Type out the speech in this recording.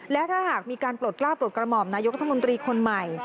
และถ้าหากมีการปลดกล้าปลดกระหม่อมนายกรัฐมนตรีคนใหม่